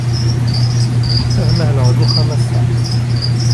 Ad mahleɣ deg uxxam ass-a.